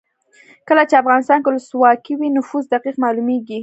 کله چې افغانستان کې ولسواکي وي نفوس دقیق مالومیږي.